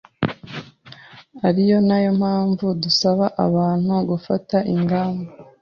ari nayo mpamvu dusaba abantu gufata ingamba,